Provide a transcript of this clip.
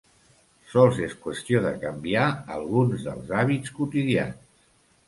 Sols és qüestió de canviar alguns dels hàbits quotidians.